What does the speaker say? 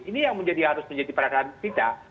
ini yang harus menjadi perhatian kita